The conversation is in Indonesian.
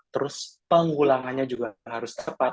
terus penggulangannya juga harus tepat